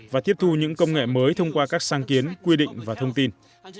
và tiếp thu những công nghệ mới thông qua các sáng kiến quy định và thông tin